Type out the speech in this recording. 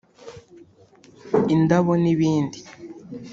indabo n’ibindi)